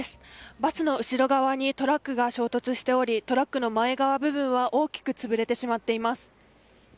バスの後ろ側にトラックが衝突しておりトラックの前側部分は大きくつぶれてしまっています。